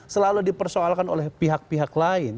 selalu dipersoalkan oleh pihak pihak lain